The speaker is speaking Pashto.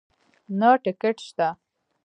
نه ټکټ شته